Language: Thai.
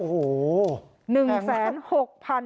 โอ้โห